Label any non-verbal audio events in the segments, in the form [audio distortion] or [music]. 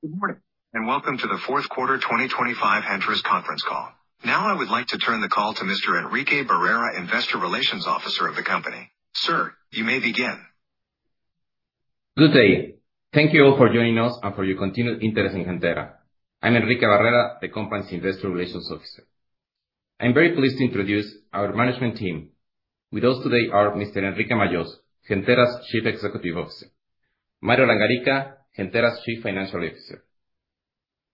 Good morning, and welcome to the fourth quarter 2025 Gentera's conference call. Now, I would like to turn the call to Mr. Enrique Barrera, Investor Relations Officer of the company. Sir, you may begin. Good day. Thank you all for joining us and for your continued interest in Gentera. I'm Enrique Barrera, the company's Investor Relations Officer. I'm very pleased to introduce our management team. With us today are Mr. Enrique Majós, Gentera's Chief Executive Officer, Mario Langarica, Gentera's Chief Financial Officer.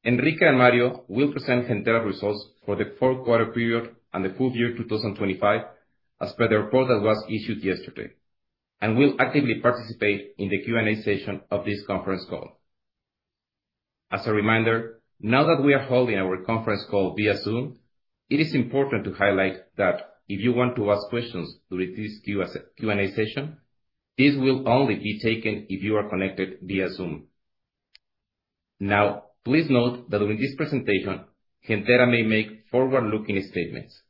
Enrique and Mario will present Gentera results for the fourth quarter period and the full year 2025 as per the report that was issued yesterday, and will actively participate in the Q&A session of this conference call. As a reminder, now that we are holding our conference call via Zoom, it is important to highlight that if you want to ask questions during this Q&A session, these will only be taken if you are connected via Zoom. Now, please note that during this presentation, Gentera may make forward-looking statements.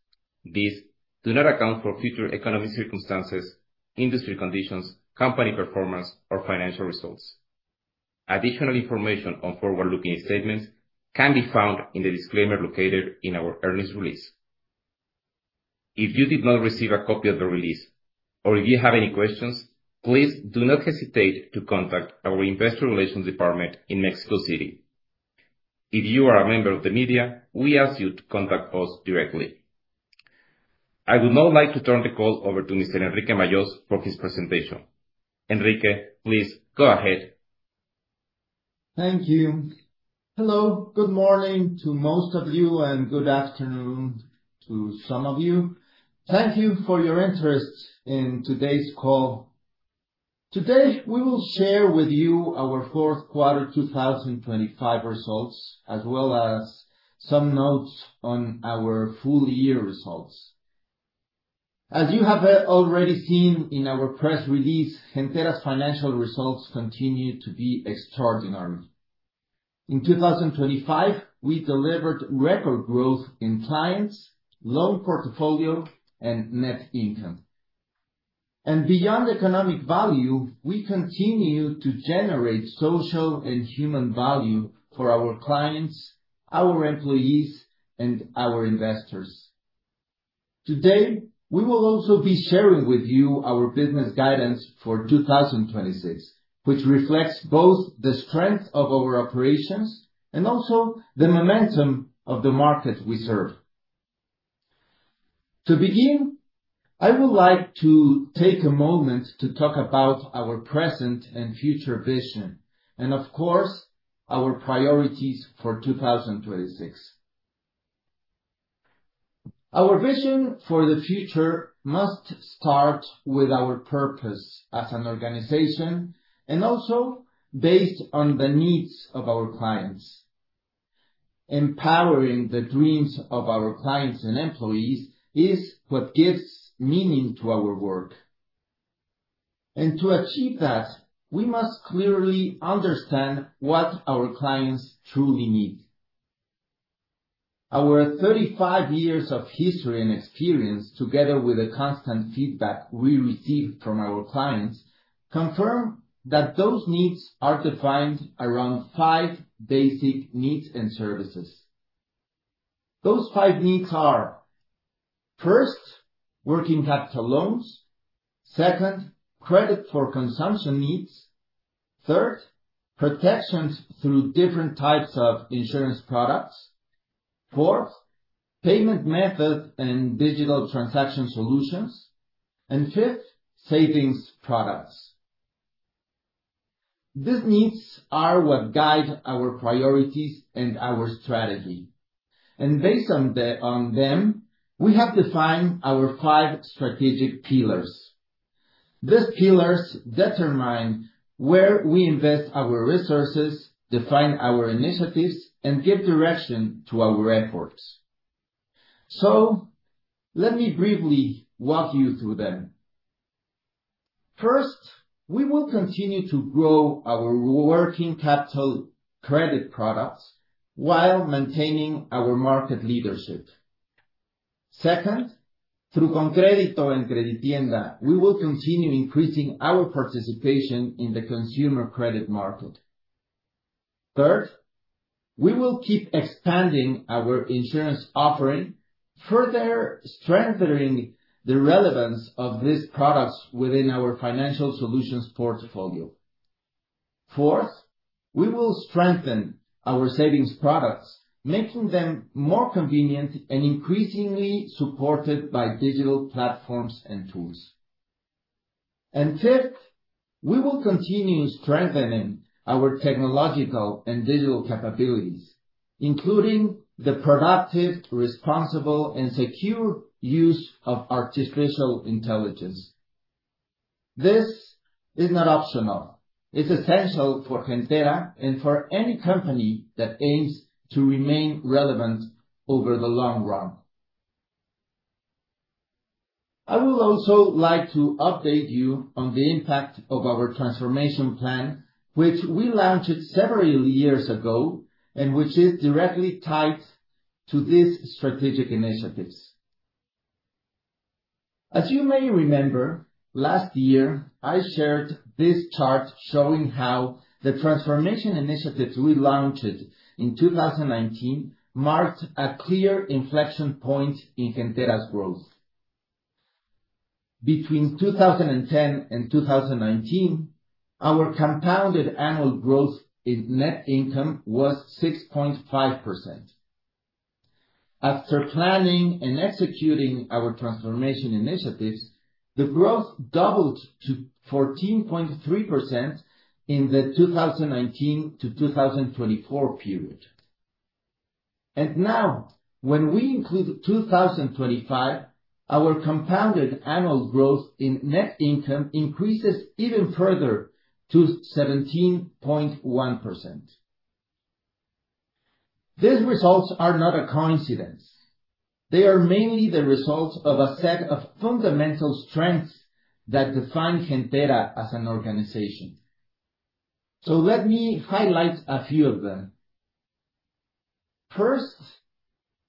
These do not account for future economic circumstances, industry conditions, company performance, or financial results. Additional information on forward-looking statements can be found in the disclaimer located in our earnings release. If you did not receive a copy of the release or if you have any questions, please do not hesitate to contact our Investor Relations department in Mexico City. If you are a member of the media, we ask you to contact us directly. I would now like to turn the call over to Mr. Enrique Majós for his presentation. Enrique, please go ahead. Thank you. Hello, good morning to most of you, and good afternoon to some of you. Thank you for your interest in today's call. Today, we will share with you our fourth quarter 2025 results, as well as some notes on our full year results. As you have already seen in our press release, Gentera's financial results continue to be extraordinary. In 2025, we delivered record growth in clients, loan portfolio, and net income. Beyond economic value, we continue to generate social and human value for our clients, our employees, and our investors. Today, we will also be sharing with you our business guidance for 2026, which reflects both the strength of our operations and also the momentum of the market we serve. To begin, I would like to take a moment to talk about our present and future vision and of course, our priorities for 2026. Our vision for the future must start with our purpose as an organization, and also based on the needs of our clients. Empowering the dreams of our clients and employees is what gives meaning to our work. To achieve that, we must clearly understand what our clients truly need. Our 35 years of history and experience, together with the constant feedback we receive from our clients, confirm that those needs are defined around five basic needs and services. Those five needs are first, working capital loans, second, credit for consumption needs, third, protections through different types of insurance products, fourth, payment method and digital transaction solutions, and fifth, savings products. These needs are what guide our priorities and our strategy, and based on them, we have defined our five strategic pillars. These pillars determine where we invest our resources, define our initiatives, and give direction to our efforts. Let me briefly walk you through them. First, we will continue to grow our working capital credit products while maintaining our market leadership. Second, through ConCrédito and CrediTienda, we will continue increasing our participation in the consumer credit market. Third, we will keep expanding our insurance offering, further strengthening the relevance of these products within our financial solutions portfolio. Fourth, we will strengthen our savings products, making them more convenient and increasingly supported by digital platforms and tools. Fifth, we will continue strengthening our technological and digital capabilities, including the productive, responsible, and secure use of artificial intelligence. This is not optional. It's essential for Gentera and for any company that aims to remain relevant over the long run. I would also like to update you on the impact of our transformation plan, which we launched several years ago and which is directly tied to these strategic initiatives. As you may remember, last year, I shared this chart showing how the transformation initiatives we launched in 2019 marked a clear inflection point in Gentera's growth. Between 2010 and 2019, our compounded annual growth in net income was 6.5%. After planning and executing our transformation initiatives, the growth doubled to 14.3% in the 2019 to 2024 period. Now, when we include 2025, our compounded annual growth in net income increases even further to 17.1%. These results are not a coincidence. They are mainly the results of a set of fundamental strengths that define Gentera as an organization. Let me highlight a few of them. First,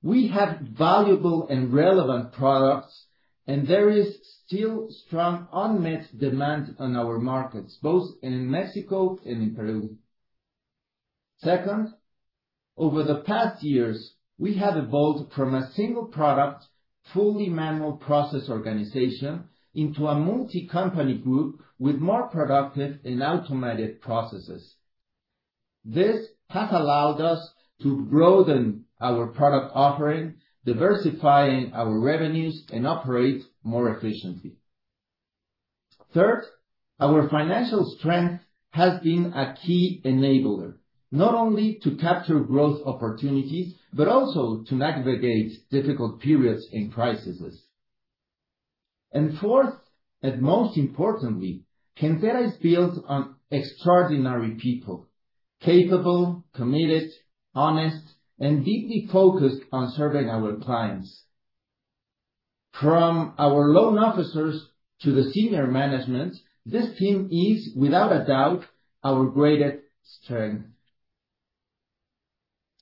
we have valuable and relevant products, and there is still strong unmet demand on our markets, both in Mexico and in Peru. Second, over the past years, we have evolved from a single product, fully manual process organization into a multi-company group with more productive and automated processes. This has allowed us to broaden our product offering, diversifying our revenues, and operate more efficiently. Third, our financial strength has been a key enabler, not only to capture growth opportunities, but also to navigate difficult periods and crises. Fourth, and most importantly, Gentera is built on extraordinary people, capable, committed, honest, and deeply focused on serving our clients. From our loan officers to the senior management, this team is, without a doubt, our greatest strength.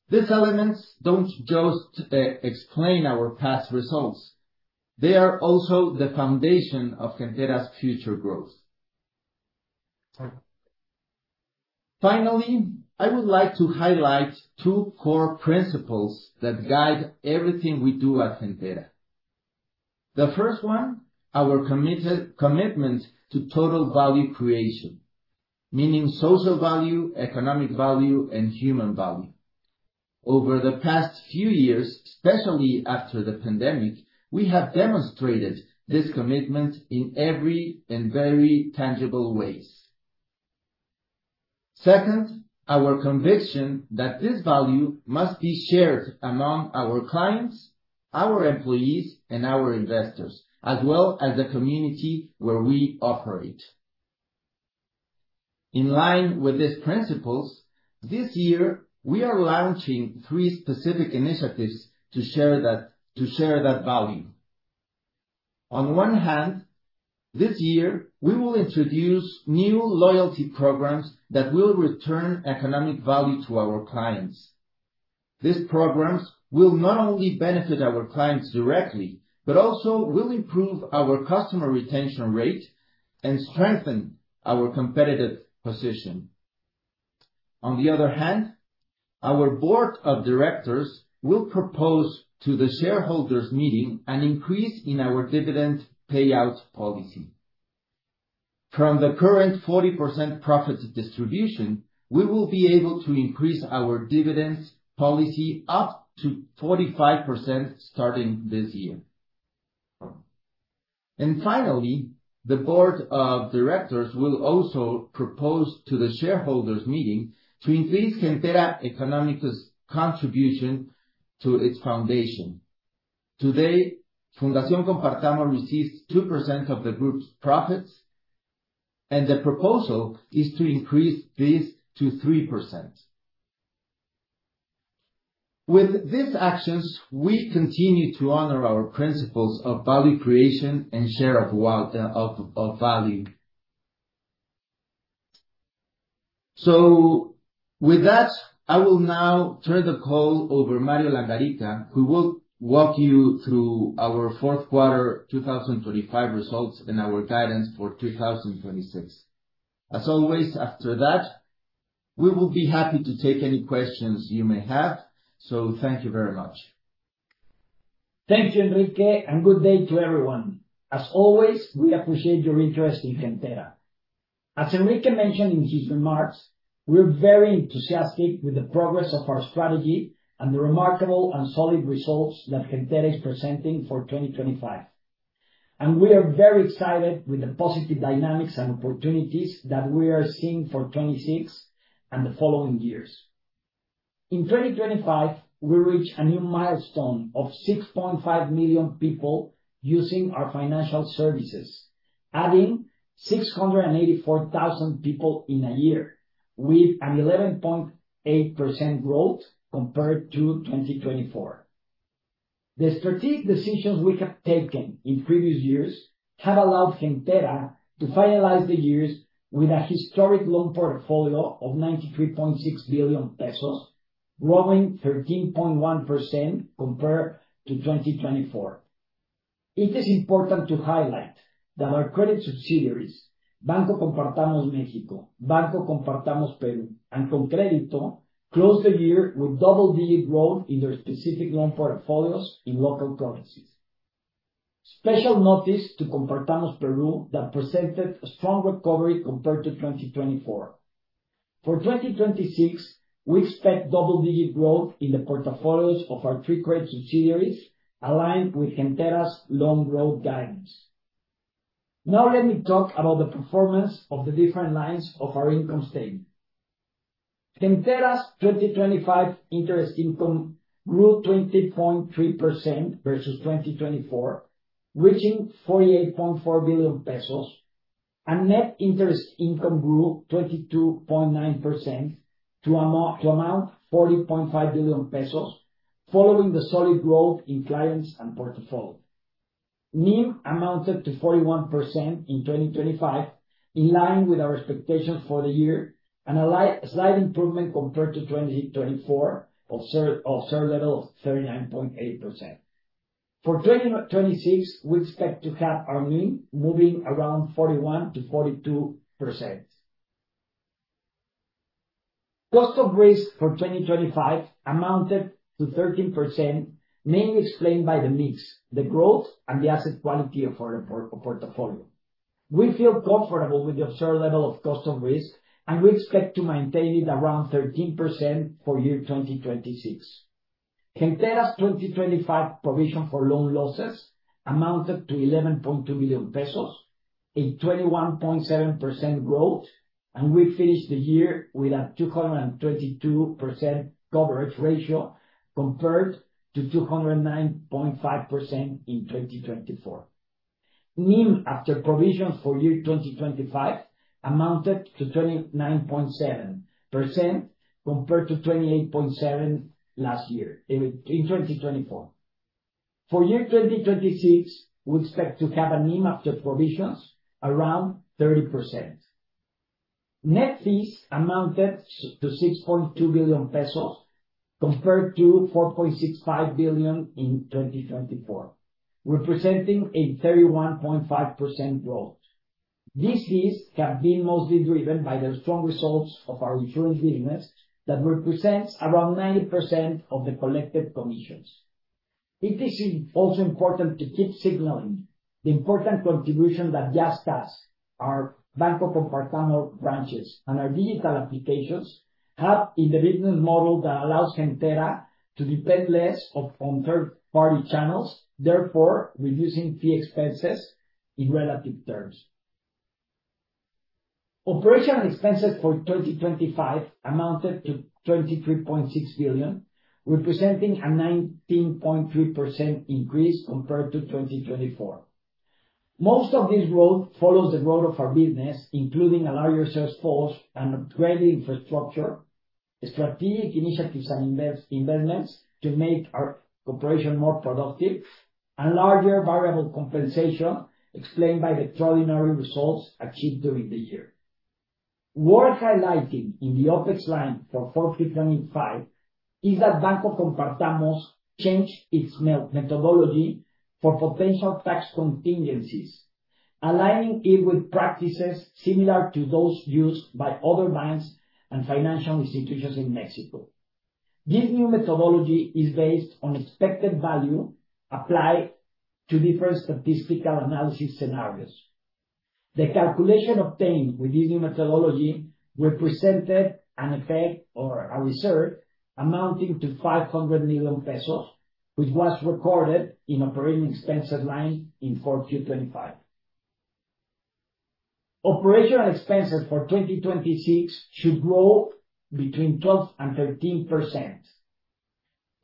These elements don't just explain our past results. They are also the foundation of Gentera's future growth. Finally, I would like to highlight two core principles that guide everything we do at Gentera. The first one, our commitment to total value creation, meaning social value, economic value, and human value. Over the past few years, especially after the pandemic, we have demonstrated this commitment in every very tangible ways. Second, our conviction that this value must be shared among our clients, our employees, and our investors, as well as the community where we operate. In line with these principles, this year, we are launching three specific initiatives to share that value. On one hand, this year, we will introduce new loyalty programs that will return economic value to our clients. These programs will not only benefit our clients directly, but also will improve our customer retention rate and strengthen our competitive position. On the other hand, our Board of Directors will propose to the shareholders meeting an increase in our dividend payout policy. From the current 40% profits distribution, we will be able to increase our dividends policy up to 45% starting this year. Finally, the Board of Directors will also propose to the shareholders meeting to increase Gentera economica's contribution to its foundation. Today, Fundación Compartamos receives 2% of the group's profits, and the proposal is to increase this to 3%. With these actions, we continue to honor our principles of value creation and share of value. With that, I will now turn the call over to Mario Langarica, who will walk you through our fourth quarter 2025 results and our guidance for 2026. As always after that, we will be happy to take any questions you may have. Thank you very much. Thank you, Enrique, and good day to everyone. As always, we appreciate your interest in Gentera. As Enrique mentioned in his remarks, we're very enthusiastic with the progress of our strategy and the remarkable and solid results that Gentera is presenting for 2025. We are very excited with the positive dynamics and opportunities that we are seeing for 2026 and the following years. In 2025, we reached a new milestone of 6.5 million people using our financial services, adding 684,000 people in a year with an 11.8% growth compared to 2024. The strategic decisions we have taken in previous years have allowed Gentera to finalize the years with a historic loan portfolio of 93.6 billion pesos, growing 13.1% compared to 2024. It is important to highlight that our credit subsidiaries, Banco Compartamos Mexico, Banco Compartamos Peru, and ConCrédito closed the year with double-digit growth in their specific loan portfolios in local currencies. Special notice to Compartamos Peru that presented a strong recovery compared to 2024. For 2026, we expect double-digit growth in the portfolios of our three credit subsidiaries aligned with Gentera's loan growth guidance. Now let me talk about the performance of the different lines of our income statement. Gentera's 2025 interest income grew 20.3% versus 2024, reaching 48.4 billion pesos, and net interest income grew 22.9% to amount 40.5 billion pesos, following the solid growth in clients and portfolio. NIM amounted to 41% in 2025, in line with our expectations for the year and a slight improvement compared to 2024 of 39.8%. For 2026, we expect to have our NIM moving around 41%-42%. Cost of risk for 2025 amounted to 13%, mainly explained by the mix, the growth, and the asset quality of our portfolio. We feel comfortable with the observed level of cost of risk, and we expect to maintain it around 13% for year 2026. Gentera's 2025 provision for loan losses amounted to 11.2 billion pesos, a 21.7% growth, and we finished the year with a 222% coverage ratio compared to 209.5% in 2024. NIM after provisions for year 2025 amounted to 29.7% compared to 28.7% last year in 2024. For year 2026, we expect to have a NIM after provisions around 30%. Net fees amounted to 6.2 billion pesos compared to 4.65 billion in 2024, representing a 31.5% growth. These fees have been mostly driven by the strong results of our insurance business that represents around 90% of the collected commissions. It is also important to keep signaling the important contribution that Yastás, our Banco Compartamos branches, and our digital applications have in the business model that allows Gentera to depend less on third-party channels, therefore, reducing fee expenses in relative terms. Operational expenses for 2025 amounted to 23.6 billion, representing a 19.3% increase compared to 2024. Most of this growth follows the growth of our business, including a larger sales force and upgraded infrastructure, strategic initiatives and investments to make our operation more productive, and larger variable compensation explained by the extraordinary results achieved during the year. Worth highlighting in the OpEx line for 2025 is that Banco Compartamos changed its methodology for potential tax contingencies, aligning it with practices similar to those used by other banks and financial institutions in Mexico. This new methodology is based on expected value applied to different statistical analysis scenarios. The calculation obtained with this new methodology represented an effect or a reserve amounting to 500 million pesos, which was recorded in operating expenses line in 2025. Operational expenses for 2026 should grow between 12% and 13%.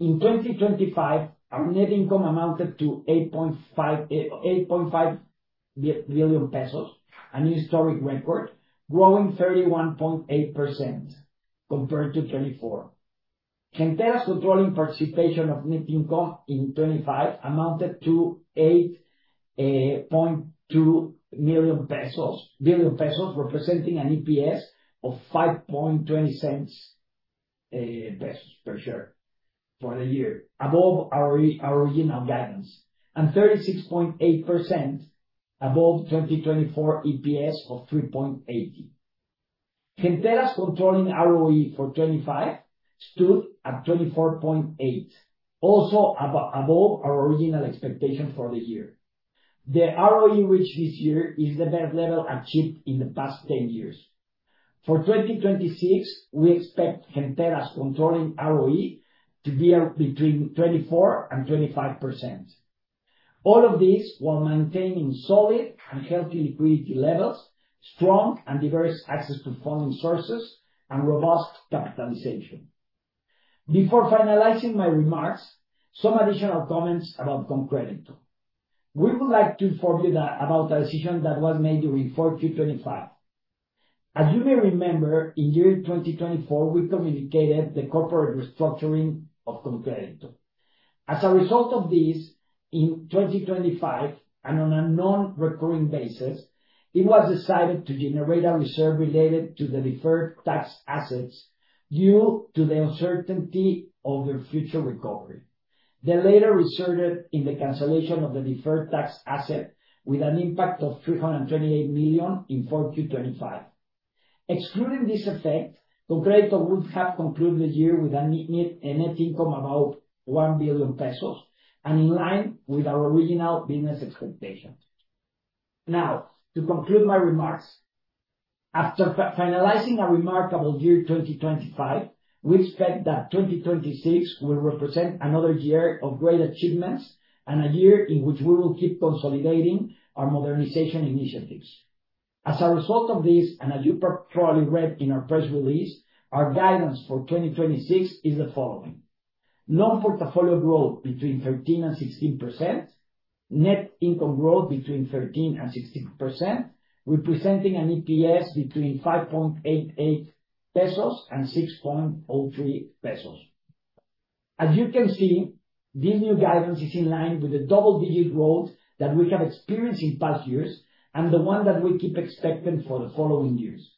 In 2025, our net income amounted to 8.5 billion pesos, a historic record, growing 31.8% compared to 2024. Gentera's controlling participation of net income in 2025 amounted to 8.2 billion pesos, representing an EPS of 5.20 pesos per share for the year, above our original guidance, and 36.8% above 2024 EPS of 3.80. Gentera's controlling ROE for 2025 stood at 24.8%, also above our original expectation for the year. The ROE reached this year is the best level achieved in the past 10 years. For 2026, we expect Gentera's controlling ROE to be between 24% and 25%. All of this while maintaining solid and healthy liquidity levels, strong and diverse access to funding sources, and robust capitalization. Before finalizing my remarks, some additional comments about ConCrédito. We would like to inform you that, about a decision that was made during 2025. As you may remember, in year 2024, we communicated the corporate restructuring of ConCrédito. As a result of this, in 2025, and on a non-recurring basis, it was decided to generate a reserve related to the deferred tax assets due to the uncertainty of their future recovery. They later resulted in the cancellation of the deferred tax asset with an impact of 328 million in 4Q 2025. Excluding this effect, ConCrédito would have concluded the year with a net income about 1 billion pesos and in line with our original business expectations. Now, to conclude my remarks, after finalizing a remarkable year 2025, we expect that 2026 will represent another year of great achievements and a year in which we will keep consolidating our modernization initiatives. As a result of this, and as you probably read in our press release, our guidance for 2026 is the following: loan portfolio growth between 13% and 16%, net income growth between 13% and 16%, representing an EPS between 5.88 pesos and 6.03 pesos. As you can see, this new guidance is in line with the double-digit growth that we have experienced in past years and the one that we keep expecting for the following years.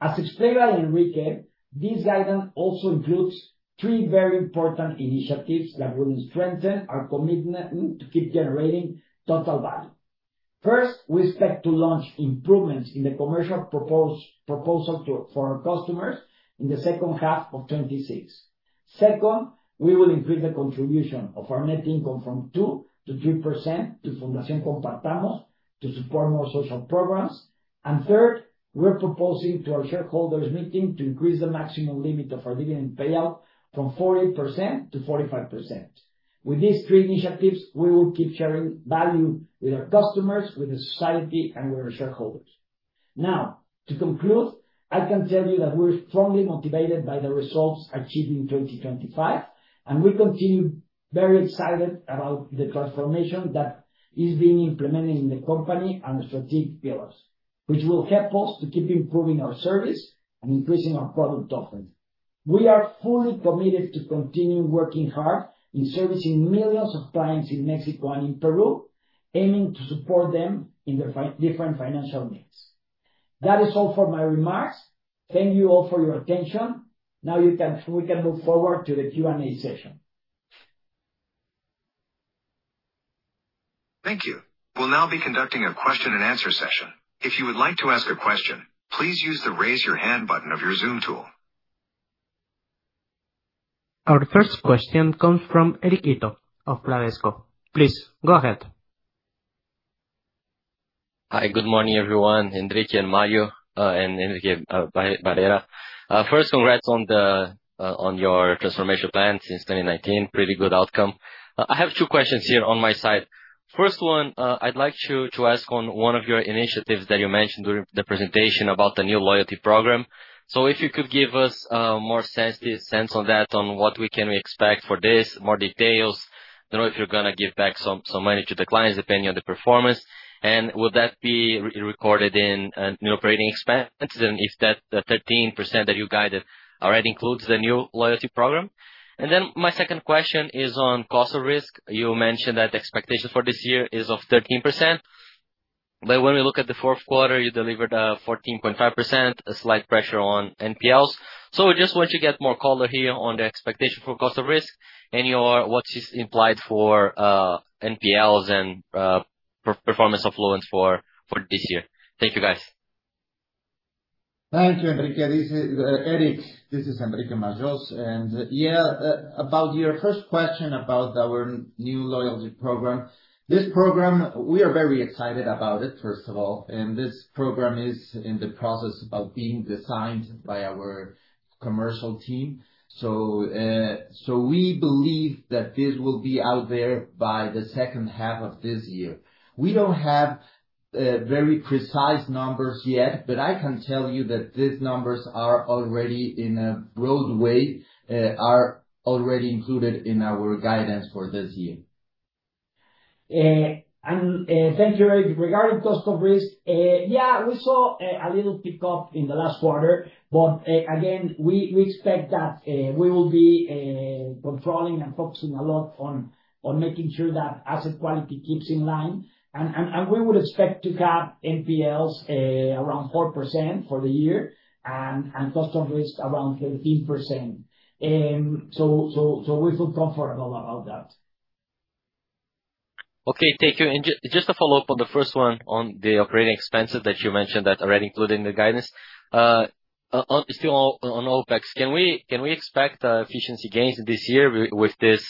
As explained by Enrique, this guidance also includes three very important initiatives that will strengthen our commitment to keep generating total value. First, we expect to launch improvements in the commercial proposal for our customers in the second half of 2026. Second, we will increase the contribution of our net income from 2%-3% to Fundación Compartamos to support more social programs. Third, we're proposing to our shareholders meeting to increase the maximum limit of our dividend payout from 40% to 45%. With these three initiatives, we will keep sharing value with our customers, with the society, and with our shareholders. Now, to conclude, I can tell you that we're strongly motivated by the results achieved in 2025, and we continue very excited about the transformation that is being implemented in the company and the strategic pillars, which will help us to keep improving our service and increasing our product offering. We are fully committed to continue working hard in servicing millions of clients in Mexico and in Peru, aiming to support them in their different financial needs. That is all for my remarks. Thank you all for your attention. Now we can move forward to the Q&A session. Thank you. We'll now be conducting a question-and-answer session. If you would like to ask a question, please use the Raise Your Hand button of your Zoom tool. Our first question comes from Eric Ito of Bradesco. Please go ahead. Hi, good morning, everyone, Enrique and Mario, and Enrique Barrera. First, congrats on your transformation plan since 2019. Pretty good outcome. I have two questions here on my side. First one, I'd like to ask on one of your initiatives that you mentioned during the presentation about the new loyalty program. If you could give us more sense on that, on what we can expect for this, more details. Don't know if you're gonna give back some money to the clients depending on the performance, and will that be recorded in new operating expenses? Is that 13% that you guided already includes the new loyalty program? My second question is on cost of risk. You mentioned that the expectation for this year is of 13%, but when we look at the fourth quarter, you delivered 14.5%, a slight pressure on NPLs. Just want to get more color here on the expectation for cost of risk and what is implied for NPLs and performance of loans for this year. Thank you, guys. Thank you, Eric. This is Enrique Majós. Yeah, about your first question about our new loyalty program. This program, we are very excited about it, first of all, and this program is in the process of being designed by our commercial team. We believe that this will be out there by the second half of this year. We don't have very precise numbers yet, but I can tell you that these numbers are already in a roadway, are already included in our guidance for this year. Thank you, Eric. Regarding cost of risk, yeah, we saw a little tick-up in the last quarter, but again, we expect that we will be controlling and focusing a lot on making sure that asset quality keeps in line. We would expect to have NPLs around 4% for the year and cost of risk around 13%. We feel comfortable about that. Okay. Thank you. Just to follow up on the first one on the operating expenses that you mentioned that already included in the guidance. Still on OpEx, can we expect efficiency gains this year with this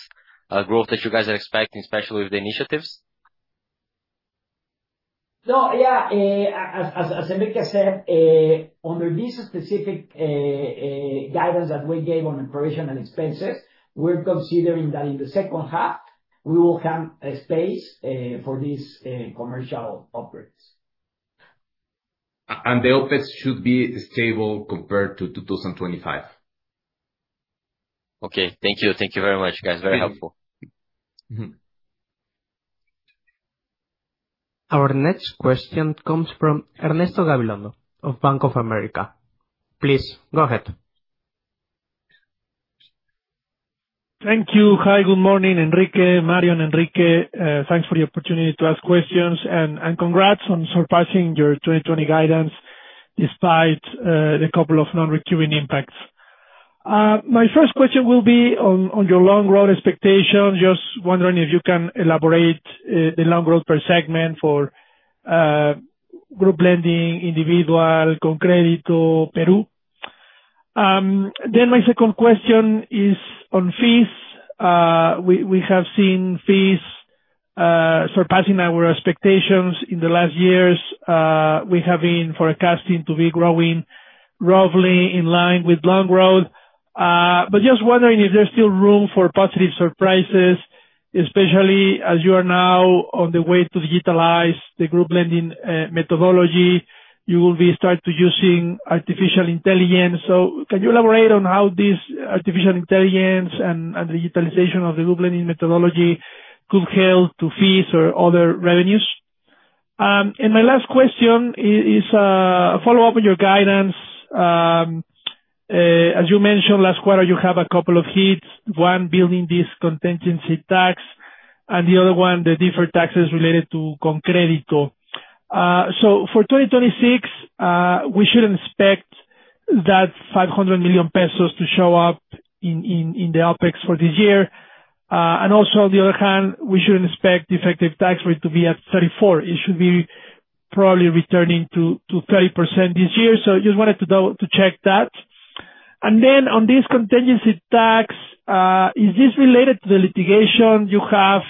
growth that you guys are expecting, especially with the initiatives? No, yeah. As Enrique said, under this specific guidance that we gave on the provision and expenses, we're considering that in the second half, we will have space for this commercial operations. The OpEx should be stable compared to 2025. Okay. Thank you. Thank you very much, guys. Very helpful. Mm-hmm. Our next question comes from Ernesto Gabilondo of Bank of America. Please go ahead. Thank you. Hi, good morning, Enrique, Mario, and Enrique. Thanks for the opportunity to ask questions and congrats on surpassing your 2020 guidance despite the couple of non-recurring impacts. My first question will be on your loan growth expectations. Just wondering if you can elaborate the loan growth per segment for group lending, individual, ConCrédito, Peru. My second question is on fees. We have seen fees surpassing our expectations in the last years. We have been forecasting to be growing roughly in line with loan growth. But just wondering if there's still room for positive surprises, especially as you are now on the way to digitalize the group lending methodology. You will be starting to use artificial intelligence. Can you elaborate on how this artificial intelligence and the utilization of the group lending methodology could help the fees or other revenues? My last question is follow up on your guidance. As you mentioned last quarter, you have a couple of hits, one building this contingency tax and the other one the deferred taxes related to ConCrédito. For 2026, we should expect that 500 million pesos to show up in the OpEx for this year. Also on the other hand, we should expect effective tax rate to be at 34%. It should be probably returning to 30% this year. Just wanted to check that. On this contingency tax, is this related to the litigation you have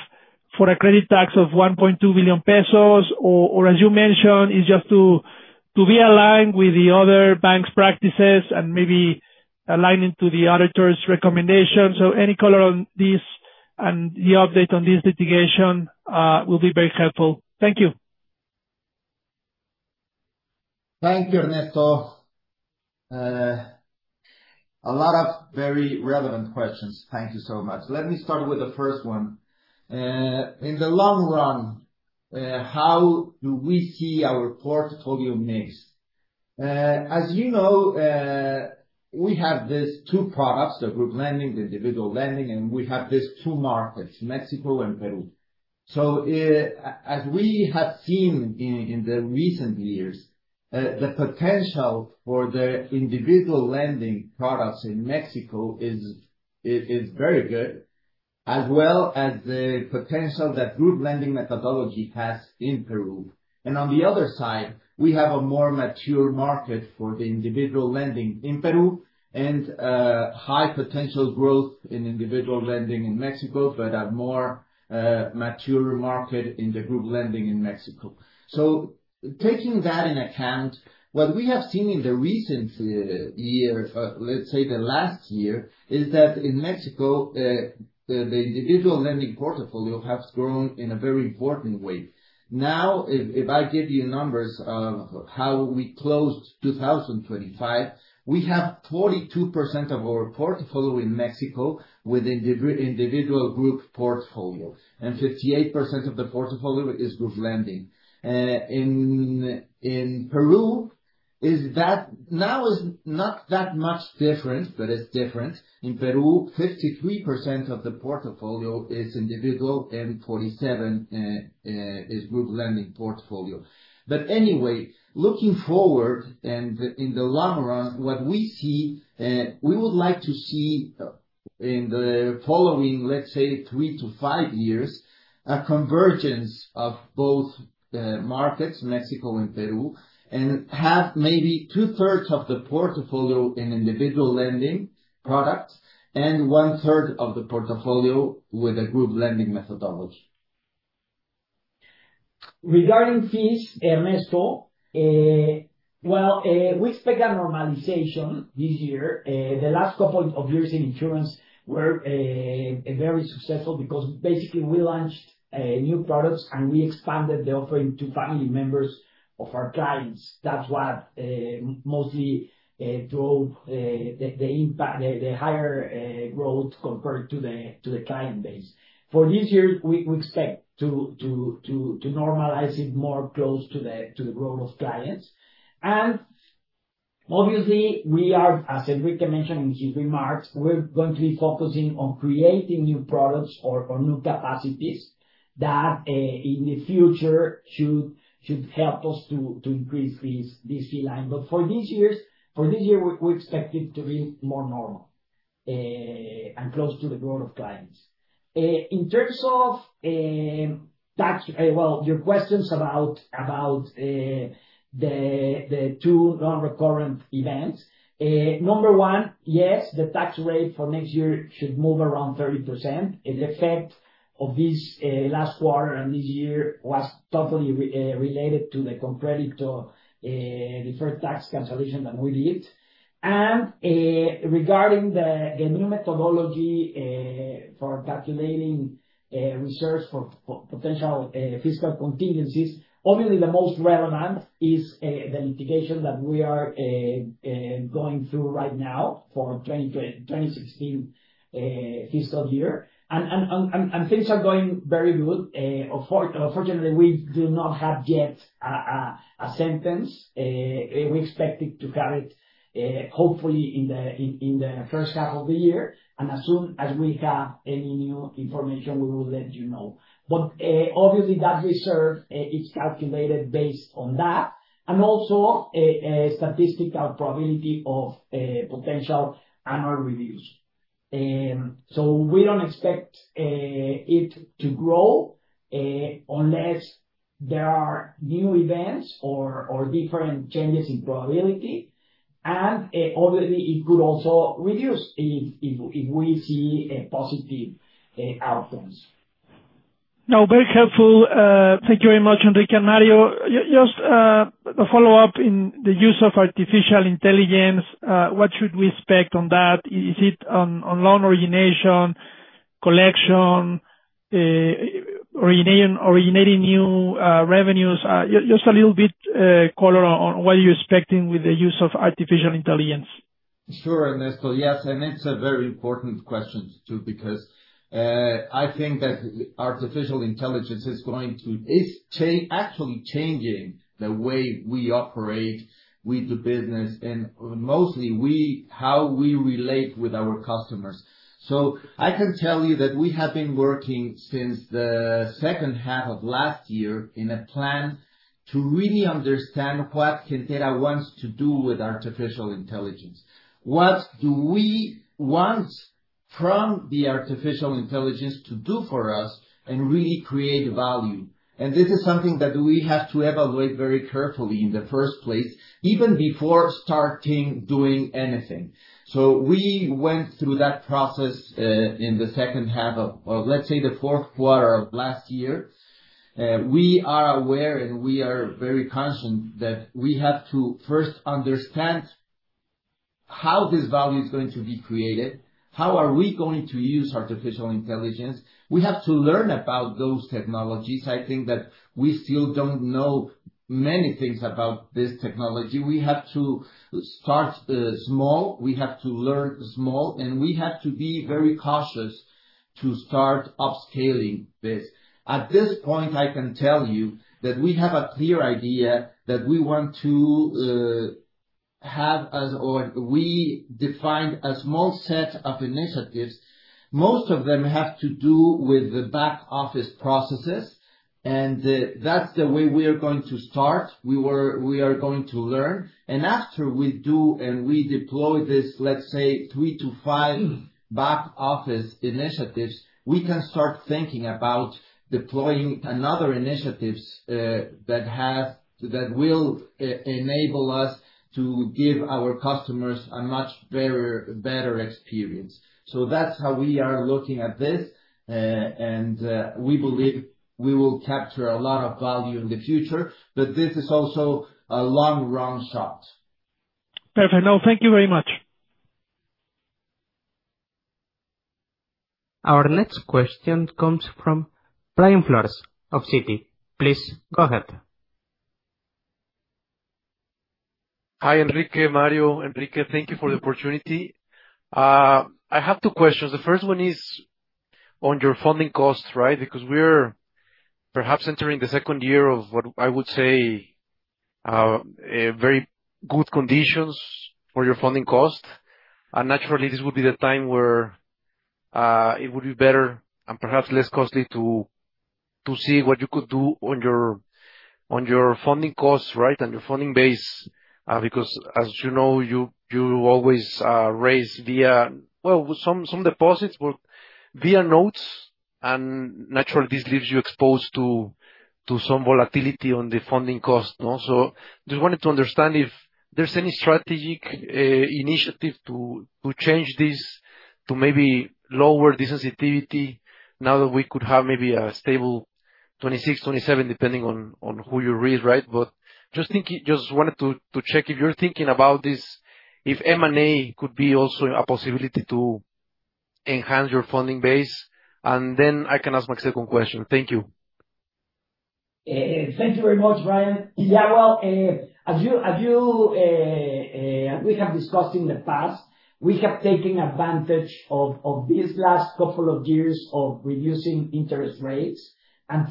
for a credit tax of 1.2 billion pesos? Or as you mentioned, it's just to be aligned with the other bank's practices and maybe aligning to the auditor's recommendations. Any color on this and the update on this litigation will be very helpful. Thank you. Thank you, Ernesto. A lot of very relevant questions. Thank you so much. Let me start with the first one. In the long run, how do we see our portfolio mix? As you know, we have these two products, the group lending, the individual lending, and we have these two markets, Mexico and Peru. As we have seen in the recent years, the potential for the individual lending products in Mexico is very good, as well as the potential that group lending methodology has in Peru. On the other side, we have a more mature market for the individual lending in Peru and high potential growth in individual lending in Mexico, but a more mature market in the group lending in Mexico. Taking that into account, what we have seen in the recent year, let's say the last year, is that in Mexico, the individual lending portfolio has grown in a very important way. Now, if I give you numbers of how we closed 2025, we have 42% of our portfolio in Mexico with individual group portfolio, and 58% of the portfolio is group lending. In Peru, it's not that much different, but it's different. In Peru, 53% of the portfolio is individual and 47% is group lending portfolio. Anyway, looking forward and in the long run, what we see, we would like to see, in the following, let's say three to five years, a convergence of both markets, Mexico and Peru, and have maybe 2/3 of the portfolio in individual lending products and 1/3 of the portfolio with a group lending methodology. Regarding fees, Ernesto, well, we expect a normalization this year. The last couple of years in insurance were very successful because basically we launched new products and we expanded the offering to family members of our clients. That's what mostly drove the impact, the higher growth compared to the client base. For this year, we expect to normalize it more close to the growth of clients. Obviously we are, as Enrique mentioned in his remarks, we're going to be focusing on creating new products or new capacities that in the future should help us to increase this fee line. For this year, we expect it to be more normal and close to the growth of clients. In terms of tax, well, your questions about the two non-recurrent events. Number one, yes, the tax rate for next year should move around 30%. The effect of this last quarter and this year was totally related to the ConCrédito deferred tax consolidation that we did. Regarding the new methodology for calculating reserves for potential fiscal contingencies, obviously the most relevant is the litigation that we are going through right now for 2016 fiscal year. Things are going very good. Unfortunately, we do not have yet a sentence. We expect it to have it, hopefully in the first half of the year. As soon as we have any new information, we will let you know. Obviously that reserve is calculated based on that and also a statistical probability of potential annual reviews. We don't expect it to grow unless there are new events or different changes in probability. Already it could also reduce if we see a positive outcomes. No, very helpful. Thank you very much, Enrique and Mario. Just a follow-up in the use of artificial intelligence. What should we expect on that? Is it on loan origination, collection, originating new revenues? Just a little bit color on what you're expecting with the use of artificial intelligence. Sure, Ernesto. Yes, it's a very important question, too, because I think that artificial intelligence is actually changing the way we operate with the business, and mostly how we relate with our customers. I can tell you that we have been working since the second half of last year in a plan to really understand what Gentera wants to do with artificial intelligence. What do we want from the artificial intelligence to do for us and really create value? This is something that we have to evaluate very carefully in the first place, even before starting doing anything. We went through that process in the second half of, well, let's say the fourth quarter of last year. We are aware, and we are very conscious that we have to first understand how this value is going to be created. How are we going to use artificial intelligence? We have to learn about those technologies. I think that we still don't know many things about this technology. We have to start small, we have to learn small, and we have to be very cautious to start upscaling this. At this point, I can tell you that we have a clear idea that we want to have, or we defined a small set of initiatives. Most of them have to do with the back office processes, and that's the way we are going to start. We are going to learn. After we do and we deploy this, let's say three to five back office initiatives, we can start thinking about deploying another initiatives that will enable us to give our customers a much better experience. That's how we are looking at this. We believe we will capture a lot of value in the future. This is also a long run shot. Perfect. No, thank you very much. Our next question comes from Brian Flores of Citi. Please go ahead. Hi, Enrique, Mario. Enrique, thank you for the opportunity. I have two questions. The first one is on your funding costs, right? Because we're perhaps entering the second year of what I would say, a very good conditions for your funding cost. Naturally, this would be the time where, it would be better and perhaps less costly to see what you could do on your funding costs, right, and your funding base. Because as you know, you always raise via, well, some deposits were via notes. Naturally, this leaves you exposed to some volatility on the funding cost, no? Just wanted to understand if there's any strategic initiative to change this to maybe lower the sensitivity now that we could have maybe a stable 2026, 2027, depending on who you read, right? Just wanted to check if you're thinking about this, if M&A could be also a possibility to enhance your funding base. Then I can ask my second question. Thank you. Thank you very much, Brian. Well, as we have discussed in the past, we have taken advantage of these last couple of years of reducing interest rates.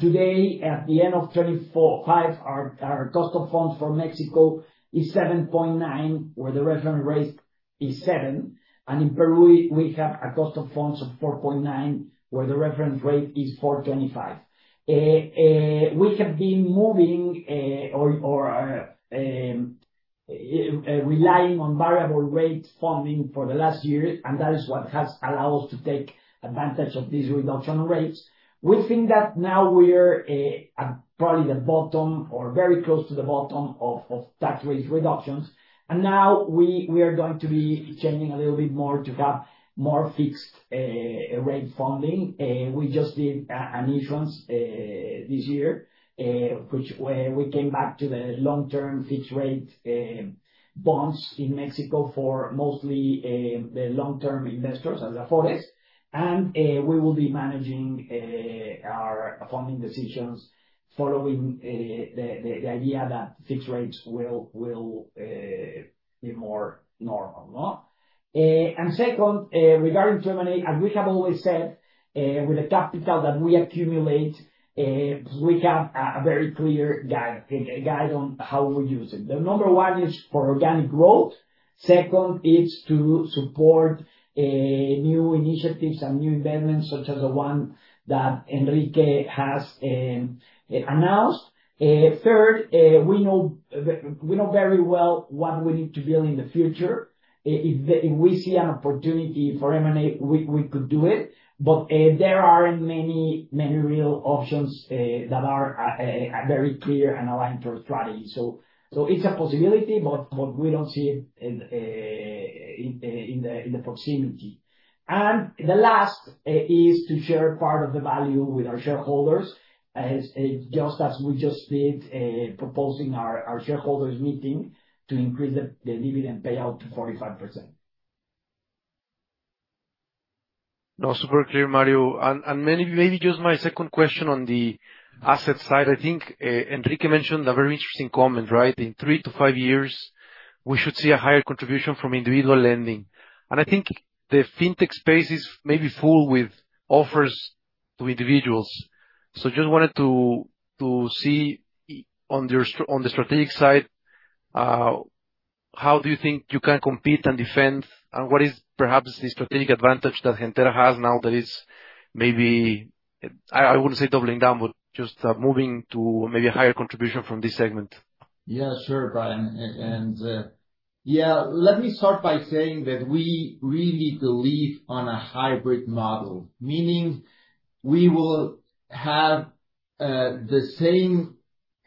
Today, at the end of 2025, our cost of funds for Mexico is 7.9%, where the reference rate is 7%. In Peru, we have a cost of funds of 4.9%, where the reference rate is 4.25%. We have been relying on variable rate funding for the last year, and that is what has allowed us to take advantage of these reduction in rates. We think that now we're at probably the bottom or very close to the bottom of that rate reductions. Now we are going to be changing a little bit more to have more fixed rate funding. We just did an issuance this year, which we came back to the long-term fixed rate bonds in Mexico for mostly the long-term investors at the forest. We will be managing our funding decisions following the idea that fixed rates will be more normal, no? Second, regarding M&A, we have always said with the capital that we accumulate, we have a very clear guide on how we use it. The number one is for organic growth. Second is to support new initiatives and new investments such as the one that Enrique has announced. Third, we know very well what we need to build in the future. If we see an opportunity for M&A, we could do it. But there aren't many real options that are very clear and aligned to our strategy. So it's a possibility, but we don't see it in the proximity. The last is to share part of the value with our shareholders as just as we just did, proposing our shareholders meeting to increase the dividend payout to 45%. No, super clear, Mario. Maybe just my second question on the asset side. I think Enrique mentioned a very interesting comment, right? In three to five years, we should see a higher contribution from individual lending. I think the fintech space is maybe full with offers to individuals. Just wanted to see on the strategic side how do you think you can compete and defend, and what is perhaps the strategic advantage that Gentera has now that is maybe I wouldn't say doubling down, but just moving to maybe a higher contribution from this segment? Yeah, sure, Brian. Let me start by saying that we really believe in a hybrid model. Meaning, we will have the same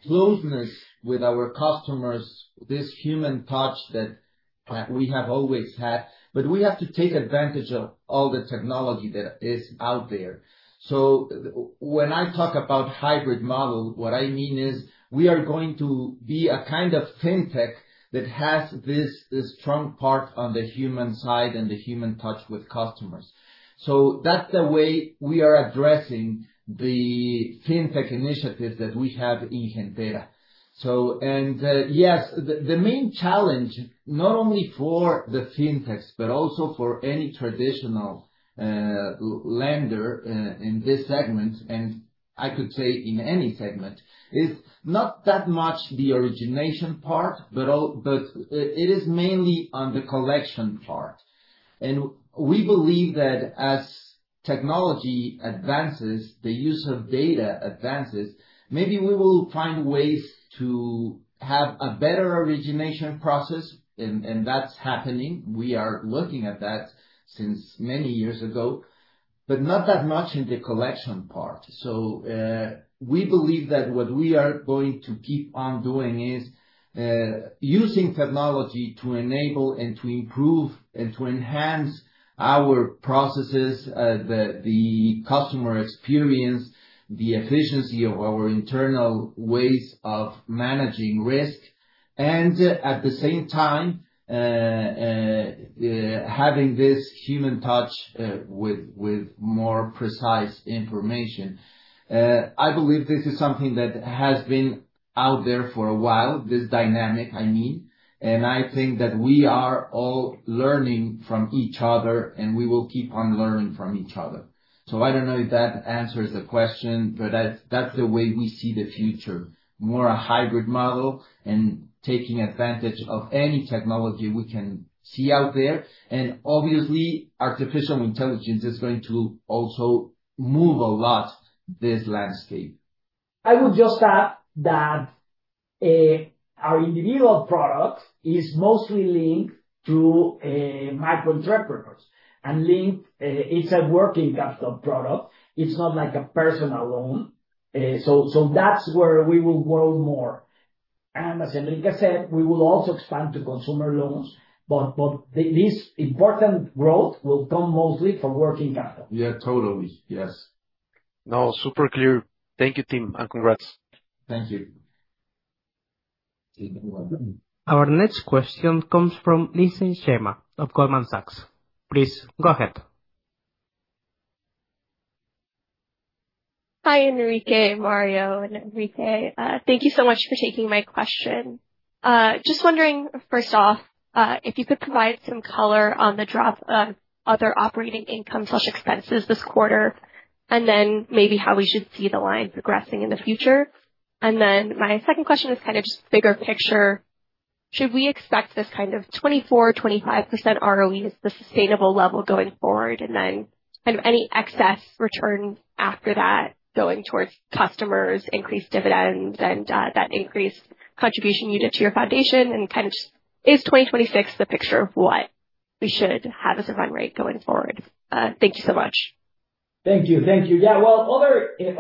closeness with our customers, this human touch that we have always had, but we have to take advantage of all the technology that is out there. When I talk about hybrid model, what I mean is we are going to be a kind of fintech that has this strong part on the human side and the human touch with customers. That's the way we are addressing the fintech initiative that we have in Gentera. Yes, the main challenge, not only for the fintechs, but also for any traditional lender in this segment, and I could say in any segment, is not that much the origination part, but it is mainly on the collection part. We believe that as technology advances, the use of data advances, maybe we will find ways to have a better origination process. That's happening, we are looking at that since many years ago, but not that much in the collection part. We believe that what we are going to keep on doing is using technology to enable and to improve and to enhance our processes, the customer experience, the efficiency of our internal ways of managing risk, and at the same time, having this human touch with more precise information. I believe this is something that has been out there for a while, this dynamic, I mean, and I think that we are all learning from each other, and we will keep on learning from each other. I don't know if that answers the question, but that's the way we see the future, more a hybrid model and taking advantage of any technology we can see out there. Obviously, artificial intelligence is going to also move a lot this landscape. I would just add that, our individual product is mostly linked to micro entrepreneurs and linked, it's a working capital product. It's not like a personal loan. That's where we will grow more. As Enrique said, we will also expand to consumer loans, but this important growth will come mostly from working capital. Yeah, totally. Yes. No, super clear. Thank you, team, and congrats. Thank you. You're welcome. Our next question comes from Lindsey Shema of Goldman Sachs. Please go ahead. Hi, Enrique, Mario, and Enrique. Thank you so much for taking my question. Just wondering, first off, if you could provide some color on the drop of other operating income/expenses this quarter, and then maybe how we should see the line progressing in the future. My second question is kind of just bigger picture. Should we expect this kind of 24%-25% ROE as the sustainable level going forward? Kind of any excess returns after that going towards customers, increased dividends and, that increased contribution you did to your foundation and kind of just is 2026 the picture of what we should have as a run rate going forward? Thank you so much. Thank you. Thank you. Well, other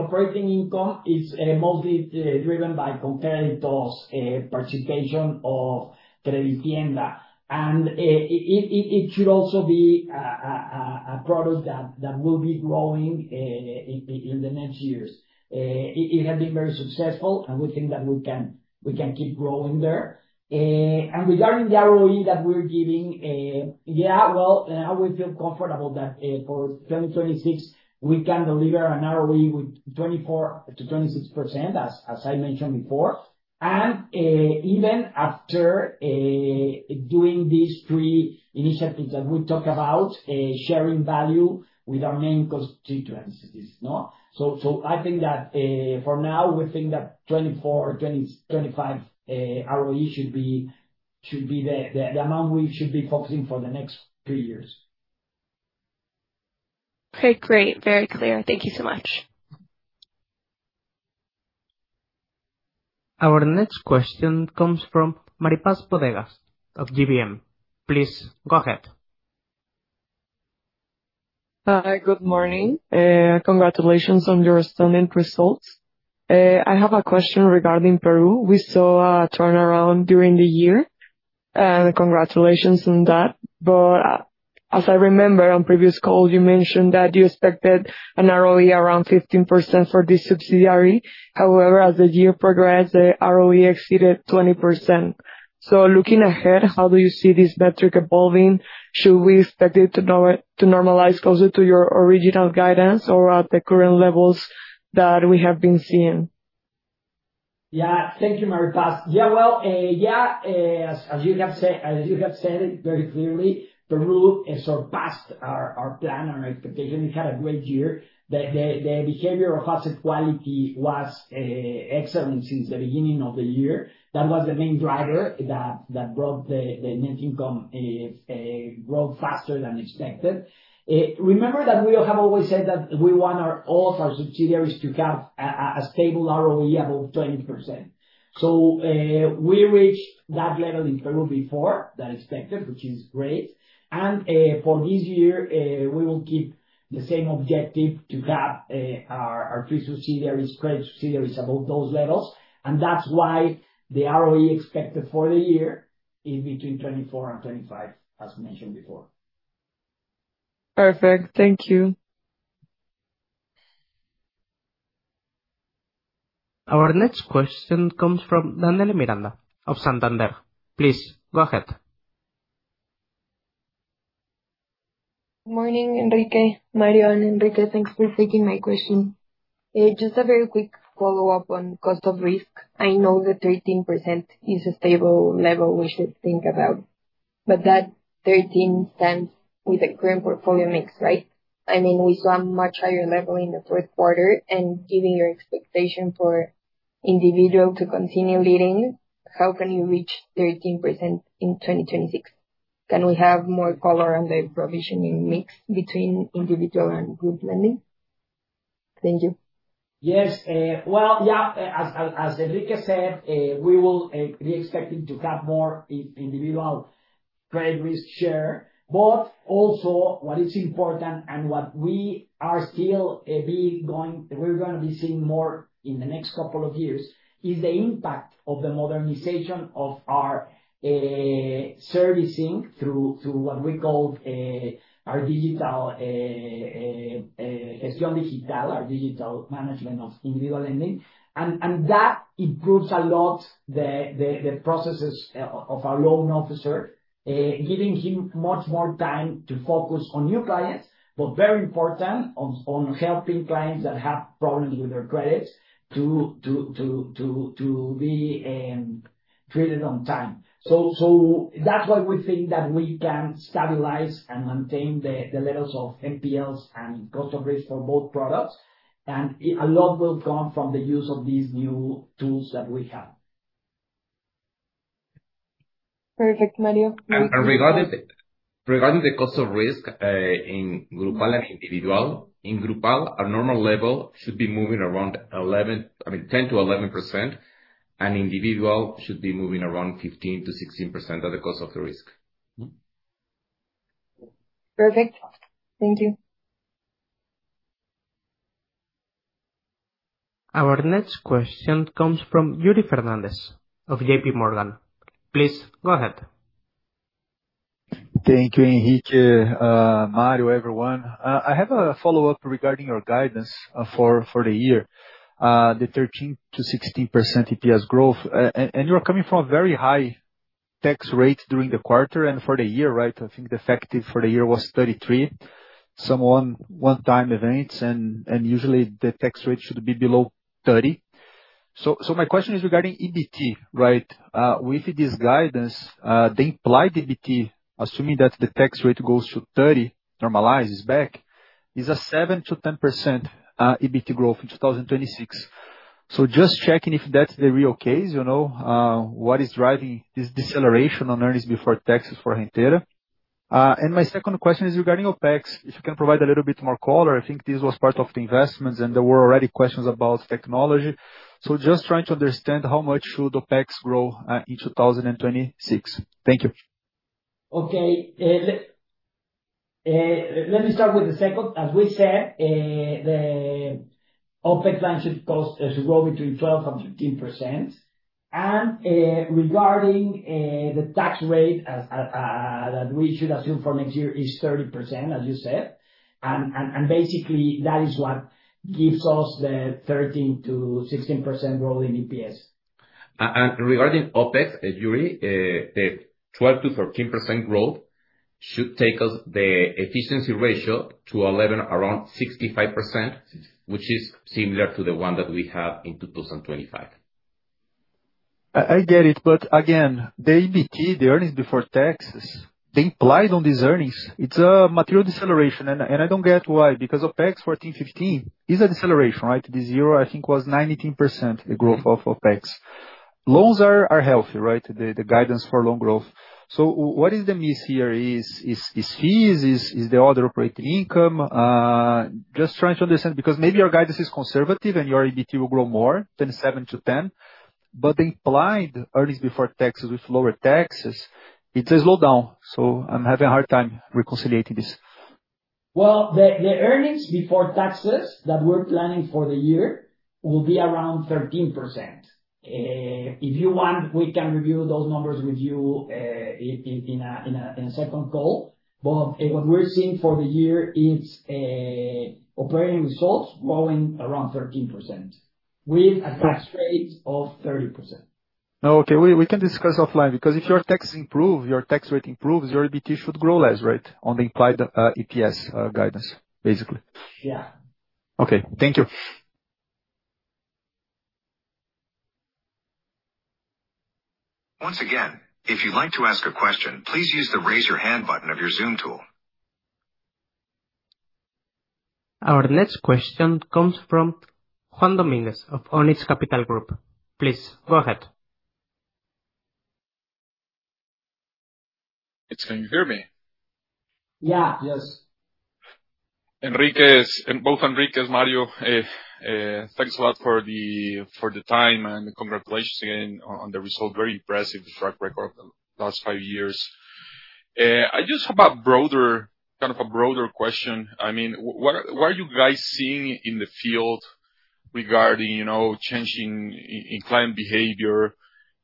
operating income is mostly driven by ConCrédito's participation of CrediTienda. It should also be a product that will be growing in the next years. It has been very successful, and we think that we can keep growing there. Regarding the ROE that we're giving, we feel comfortable that for 2026, we can deliver an ROE with 24%-26% as I mentioned before. Even after doing these three initiatives that we talked about, sharing value with our main constituencies, no? I think that, for now, we think that 24%-25% ROE should be the amount we should be focusing for the next three years. Okay, great. Very clear. Thank you so much. Our next question comes from Maripaz Bodegas of GBM. Please go ahead. Hi, good morning. Congratulations on your stunning results. I have a question regarding Peru. We saw a turnaround during the year, and congratulations on that. As I remember on previous call, you mentioned that you expected an ROE around 15% for this subsidiary. However, as the year progressed, the ROE exceeded 20%. Looking ahead, how do you see this metric evolving? Should we expect it to normalize closer to your original guidance or at the current levels that we have been seeing? Yeah. Thank you, Maripaz. Yeah, well, as you have said it very clearly, Peru has surpassed our plan, our expectation. We had a great year. The behavior of asset quality was excellent since the beginning of the year. That was the main driver that brought the net income grow faster than expected. Remember that we have always said that we want all of our subsidiaries to have a stable ROE above 20%. We reached that level in Peru before that expected, which is great. For this year, we will keep the same objective to have our three subsidiaries, credit subsidiaries above those levels. That's why the ROE expected for the year is between 24% and 25%, as mentioned before. Perfect. Thank you. Our next question comes from Danele Miranda of Santander. Please go ahead. Morning, Enrique. Mario and Enrique, thanks for taking my question. Just a very quick follow-up on cost of risk. I know that 13% is a stable level we should think about, but that stands with the current portfolio mix, right? I mean, we saw a much higher level in the fourth quarter. Given your expectation for individual to continue leading, how can you reach 13% in 2026? Can we have more color on the provisioning mix between individual and group lending? Thank you. Yes. As Enrique said, we will be expecting to have more individual credit risk share. What is important and what we are still going to be seeing more in the next couple of years is the impact of the modernization of our servicing through what we call our digital, [audio distortion] our digital management of individual lending. That improves a lot the processes of our loan officer, giving him much more time to focus on new clients, but very important on helping clients that have problems with their credits to be treated on time. That's why we think that we can stabilize and maintain the levels of NPLs and cost of risk for both products. A lot will come from the use of these new tools that we have. Perfect, Mario. Regarding the cost of risk in Grupal and individual. In Grupal, our normal level should be moving around 11%, I mean, 10%-11%. Individual should be moving around 15%-16% of the cost of the risk. Perfect. Thank you. Our next question comes from Yuri Fernandes of JPMorgan. Please go ahead. Thank you, Enrique, Mario, everyone. I have a follow-up regarding your guidance for the year. The 13%-16% EPS growth. You're coming from a very high tax rate during the quarter and for the year, right? I think the effective for the year was 33%. Some one-time events and usually the tax rate should be below 30%. My question is regarding EBT, right? With this guidance, the implied EBT, assuming that the tax rate goes to 30%, normalizes back, is a 7%-10% EBT growth in 2026. Just checking if that's the real case, you know, what is driving this deceleration on earnings before taxes for Gentera? My second question is regarding OpEx, if you can provide a little bit more color. I think this was part of the investments and there were already questions about technology. Just trying to understand how much should OpEx grow in 2026. Thank you. Okay. Let me start with the second. As we said, the OpEx line should grow between 12% and 15%. Regarding the tax rate that we should assume for next year is 30%, as you said. Basically that is what gives us the 13%-16% growth in EPS. Regarding OpEx, Yuri, the 12%-13% growth should take us the efficiency ratio to 11, around 65%, which is similar to the one that we had in 2025. I get it. Again, the EBT, the earnings before taxes, the implied on these earnings, it's a material deceleration. I don't get why. Because OpEx 14%-15% is a deceleration, right? This year, I think, was 19%, the growth of OpEx. Loans are healthy, right? The guidance for loan growth. What is the miss here? Is fees, is the other operating income? Just trying to understand, because maybe your guidance is conservative and your EBT will grow more than 7%-10%, but the implied earnings before taxes with lower taxes, it is low down. I'm having a hard time reconciling this. Well, the earnings before taxes that we're planning for the year will be around 13%. If you want, we can review those numbers with you in a second call. What we're seeing for the year is operating results growing around 13% with a tax rate of 30%. No. Okay. We can discuss offline, because if your taxes improve, your tax rate improves, your EBT should grow less, right? On the implied EPS guidance, basically. Yeah. Okay, thank you. Once again, if you'd like to ask a question, please use the Raise Your Hand button of your Zoom tool. Our next question comes from Juan Dominguez of Onyx Capital Group. Please go ahead. Can you hear me? Yeah. Yes. Both Enriques, Mario, thanks a lot for the time and congratulations again on the result. Very impressive track record the last five years. I just have a broader question. I mean, what are you guys seeing in the field regarding, you know, changing in client behavior,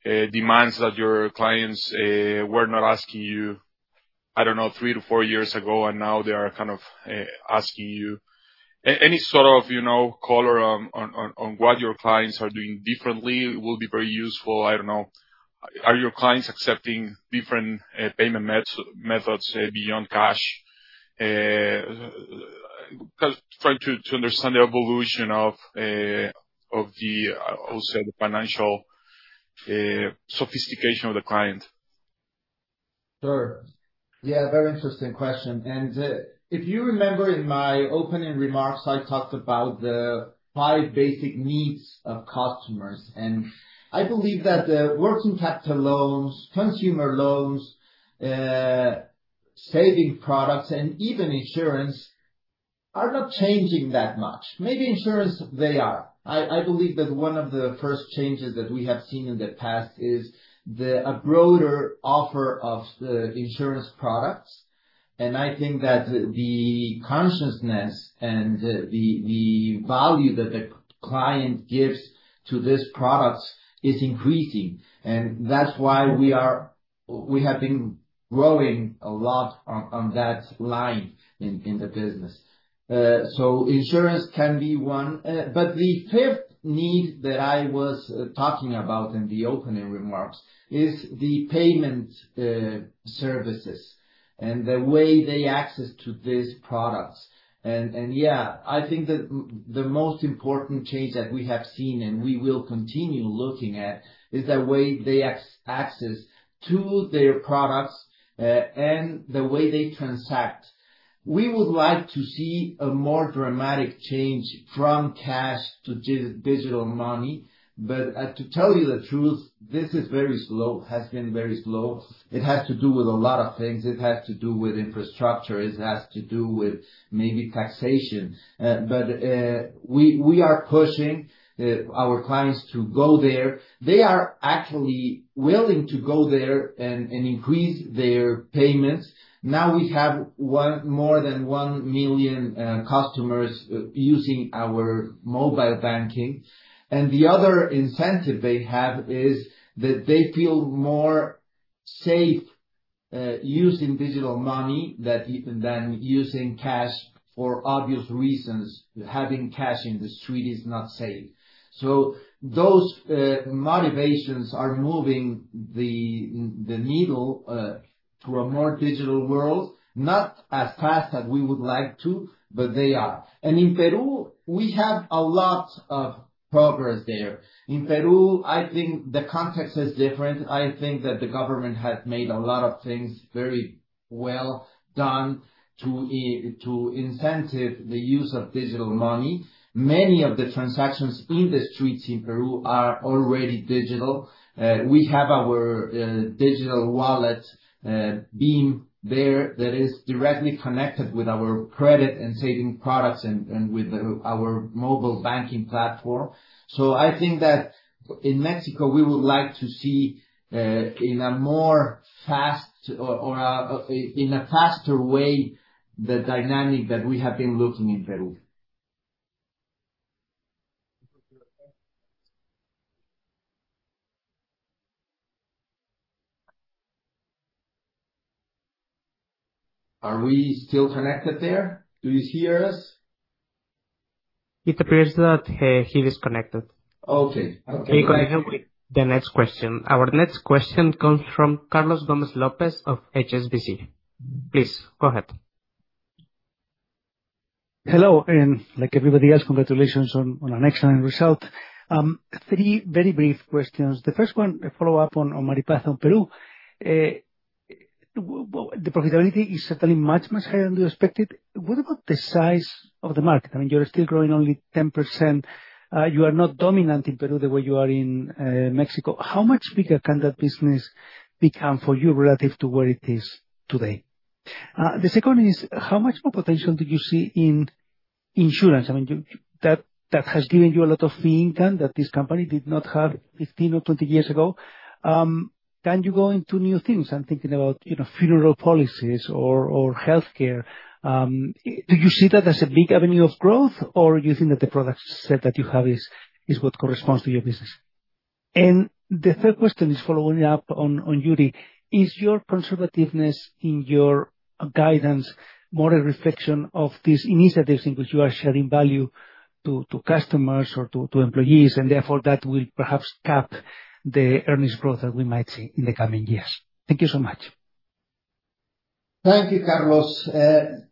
demands that your clients were not asking you, I don't know, three to four years ago, and now they are kind of asking you. Any sort of, you know, color on what your clients are doing differently will be very useful. I don't know. Are your clients accepting different payment methods beyond cash? Trying to understand the evolution of the, how you say, the financial sophistication of the client. Sure. Yeah, very interesting question. If you remember in my opening remarks, I talked about the five basic needs of customers. I believe that the working capital loans, consumer loans, saving products, and even insurance are not changing that much. Maybe insurance, they are. I believe that one of the first changes that we have seen in the past is a broader offer of the insurance products. I think that the consciousness and the value that the client gives to this product is increasing. That's why we have been growing a lot on that line in the business. So insurance can be one. But the fifth need that I was talking about in the opening remarks is the payment services and the way they access to these products. I think the most important change that we have seen and we will continue looking at is the way they access to their products, and the way they transact. We would like to see a more dramatic change from cash to digital money. To tell you the truth, this is very slow. Has been very slow. It has to do with a lot of things. It has to do with infrastructure, it has to do with maybe taxation. We are pushing our clients to go there. They are actually willing to go there and increase their payments. Now we have more than 1 million customers using our mobile banking. The other incentive they have is that they feel more safe using digital money than using cash for obvious reasons. Having cash in the street is not safe. Those motivations are moving the needle to a more digital world. Not as fast as we would like to, but they are. In Peru, we have a lot of progress there. In Peru, I think the context is different. I think that the government has made a lot of things very well done to incentivize the use of digital money. Many of the transactions in the streets in Peru are already digital. We have our digital wallet, Bim, there that is directly connected with our credit and saving products and with our mobile banking platform. I think that in Mexico, we would like to see in a faster way, the dynamic that we have been seeing in Peru. Are we still connected there? Do you hear us? It appears that he disconnected. Okay. Okay. We continue with the next question. Our next question comes from Carlos Gomez-Lopez of HSBC. Please go ahead. Hello, and like everybody else, congratulations on an excellent result. Three very brief questions. The first one, a follow-up on Maripaz on Peru. Well, the profitability is certainly much, much higher than we expected. What about the size of the market? I mean, you're still growing only 10%. You are not dominant in Peru the way you are in Mexico. How much bigger can that business become for you relative to where it is today? The second is, how much more potential do you see in insurance? I mean, that has given you a lot of fee income that this company did not have 15 or 20 years ago. Can you go into new things? I'm thinking about, you know, funeral policies or healthcare. Do you see that as a big avenue of growth or you think that the product set that you have is what corresponds to your business? The third question is following up on Yuri. Is your conservativeness in your guidance more a reflection of these initiatives in which you are sharing value to customers or to employees, and therefore that will perhaps cap the earnings growth that we might see in the coming years? Thank you so much. Thank you, Carlos.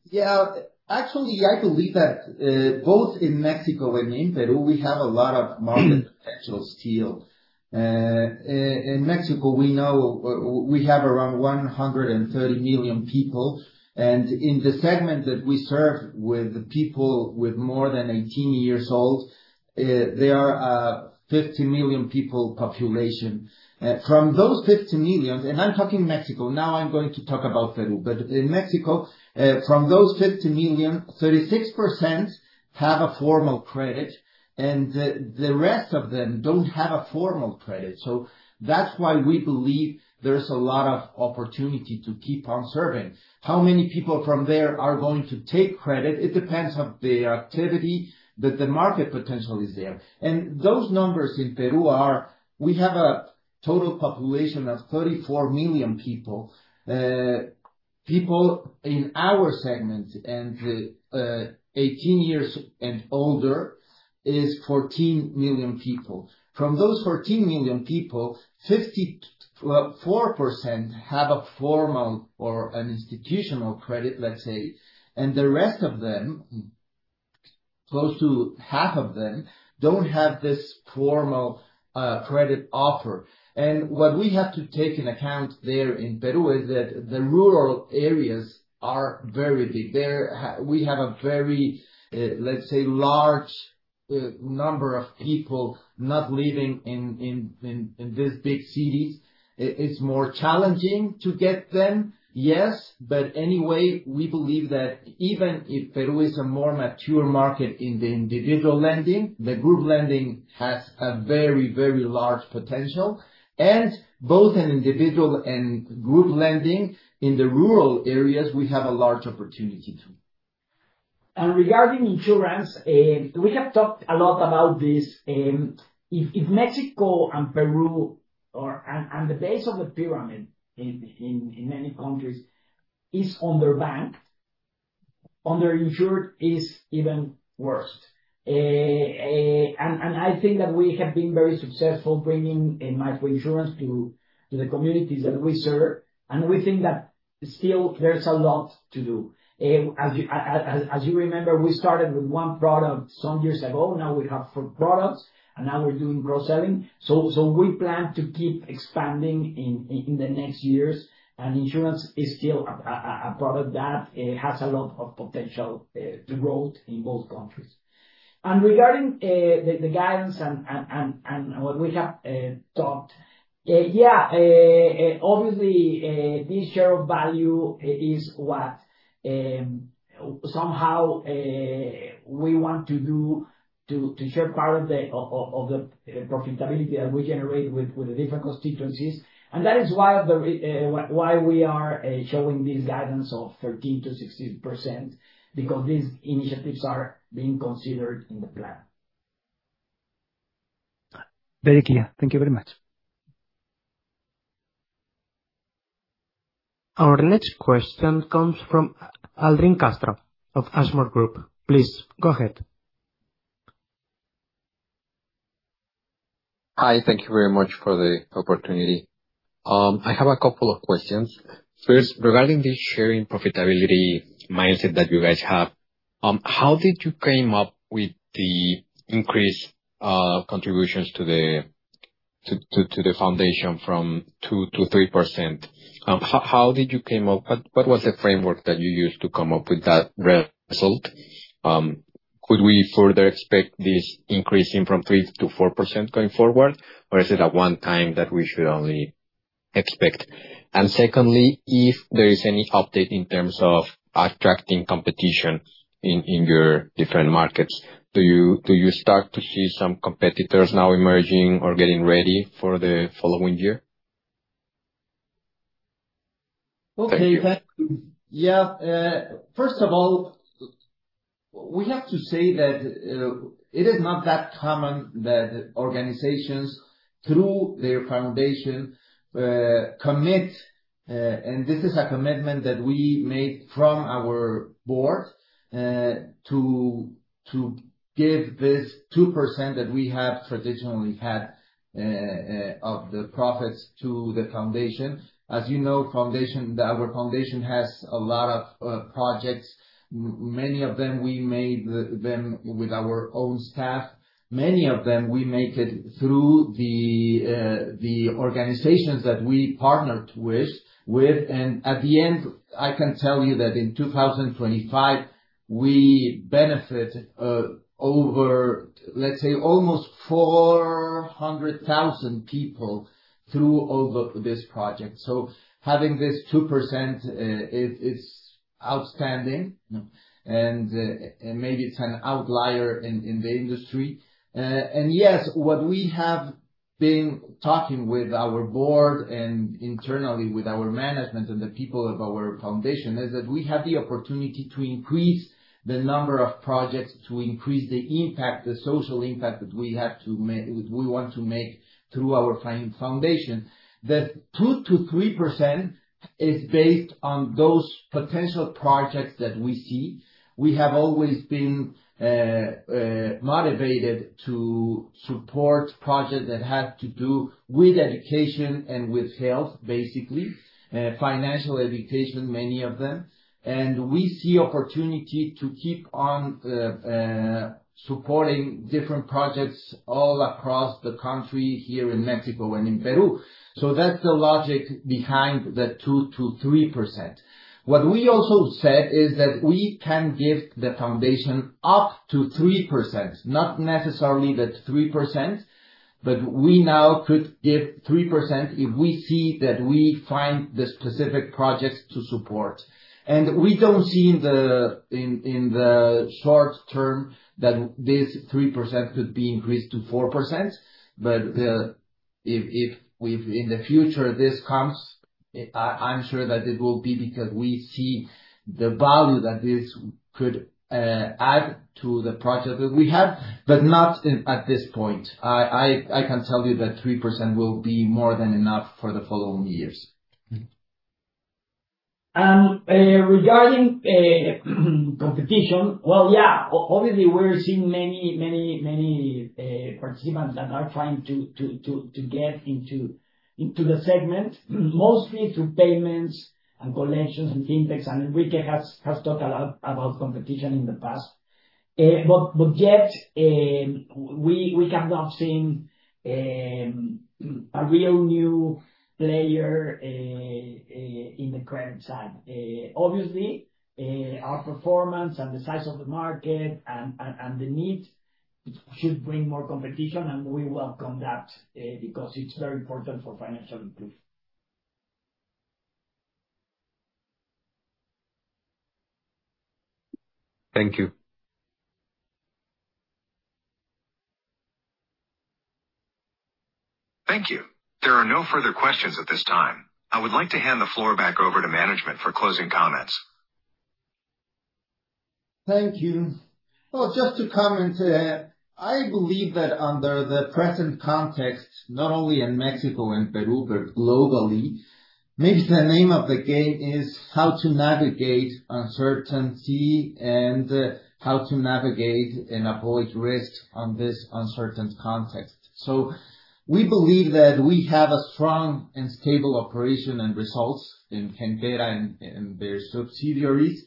Yeah, actually, I believe that both in Mexico and in Peru, we have a lot of market potential still. In Mexico, we know we have around 130 million people, and in the segment that we serve with the people with more than 18 years old, there are 50 million people population. From those 50 million, and I'm talking Mexico now I'm going to talk about Peru. But in Mexico, from those 50 million, 36% have a formal credit and the rest of them don't have a formal credit. That's why we believe there's a lot of opportunity to keep on serving. How many people from there are going to take credit? It depends on the activity, but the market potential is there. Those numbers in Peru are, we have a total population of 34 million people. People in our segment and 18 years and older is 14 million people. From those 14 million people, 54% have a formal or an institutional credit, let's say, and the rest of them, close to half of them, don't have this formal credit offer. What we have to take into account there in Peru is that the rural areas are very big. We have a very, let's say, large number of people not living in these big cities. It's more challenging to get them, yes. But anyway, we believe that even if Peru is a more mature market in the individual lending, the group lending has a very, very large potential. Both in individual and group lending in the rural areas, we have a large opportunity too. Regarding insurance, we have talked a lot about this. If Mexico and Peru and the base of the pyramid in many countries is underbanked, underinsured is even worse. I think that we have been very successful bringing microinsurance to the communities that we serve, and we think that still there's a lot to do. As you remember, we started with one product some years ago, now we have four products, and now we're doing cross-selling. We plan to keep expanding in the next years, and insurance is still a product that has a lot of potential to grow in both countries. Regarding the guidance and what we have talked, obviously this share of value is what somehow we want to do to share part of the profitability that we generate with the different constituencies. That is why we are showing this guidance of 13%-16%, because these initiatives are being considered in the plan. Very clear. Thank you very much. Our next question comes from Aldrin Castro of Ashmore Group. Please go ahead. Hi, thank you very much for the opportunity. I have a couple of questions. First, regarding the sharing profitability mindset that you guys have, how did you came up with the increased contributions to the foundation from 2% to 3%? What was the framework that you used to come up with that result? Could we further expect this increasing from 3% to 4% going forward, or is it a one time that we should only expect? Secondly, if there is any update in terms of attracting competition in your different markets, do you start to see some competitors now emerging or getting ready for the following year? Okay. Thank you. Yeah. First of all, we have to say that it is not that common that organizations, through their foundation, commit, and this is a commitment that we made from our board, to give this 2% that we have traditionally had of the profits to the foundation. As you know, our foundation has a lot of projects. Many of them we made them with our own staff. Many of them we make it through the organizations that we partnered with. At the end, I can tell you that in 2025 we benefit over, let's say, almost 400,000 people through all this project. Having this 2% is outstanding, and maybe it's an outlier in the industry. Yes, what we have been talking with our board and internally with our management and the people of our foundation, is that we have the opportunity to increase the number of projects, to increase the impact, the social impact that we want to make through our foundation. That 2%-3% is based on those potential projects that we see. We have always been motivated to support projects that have to do with education and with health, basically. Financial education, many of them. We see opportunity to keep on supporting different projects all across the country here in Mexico and in Peru. That's the logic behind the 2%-3%. What we also said is that we can give the foundation up to 3%, not necessarily the 3%, but we now could give 3% if we see that we find the specific projects to support. We don't see in the short term that this 3% could be increased to 4%. If in the future, this comes, I'm sure that it will be because we see the value that this could add to the project that we have, but not at this point. I can tell you that 3% will be more than enough for the following years. Regarding competition, well, yeah, obviously we're seeing many participants that are trying to get into the segment, mostly through payments and collections and fintechs. Enrique has talked a lot about competition in the past. Yet, we have not seen a real new player in the credit side. Obviously, our performance and the size of the market and the need should bring more competition, and we welcome that, because it's very important for financial inclusion. Thank you. Thank you. There are no further questions at this time. I would like to hand the floor back over to management for closing comments. Thank you. Well, just to comment, I believe that under the present context, not only in Mexico and Peru, but globally, maybe the name of the game is how to navigate uncertainty and how to navigate and avoid risk on this uncertain context. We believe that we have a strong and stable operation and results in Gentera and their subsidiaries.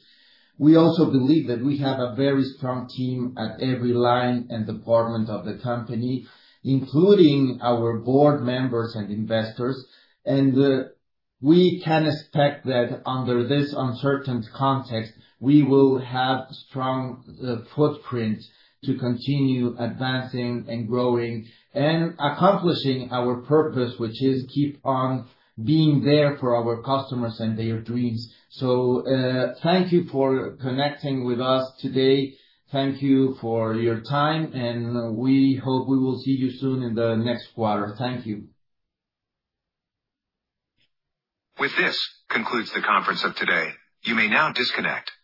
We also believe that we have a very strong team at every line and department of the company, including our board members and investors. We can expect that under this uncertain context, we will have strong footprint to continue advancing and growing and accomplishing our purpose, which is keep on being there for our customers and their dreams. Thank you for connecting with us today. Thank you for your time, and we hope we will see you soon in the next quarter. Thank you. With this, concludes the conference of today. You may now disconnect.